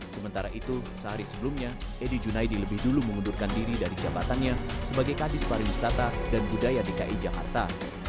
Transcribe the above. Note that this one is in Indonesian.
sementara itu sehari sebelumnya edi junaidi lebih dulu mengundurkan diri dari jabatannya sebagai kadis pariwisata dan budaya dki jakarta